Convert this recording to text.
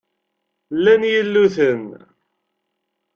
Llan yilluten.